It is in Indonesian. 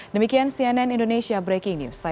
demikian cnn indonesia breaking news